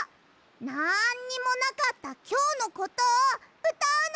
なんにもなかったきょうのことをうたうの！